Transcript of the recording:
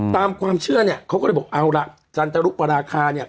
ตามความเชื่อเนี่ยเขาก็เลยบอกเอาล่ะจันตรุปราคาเนี่ย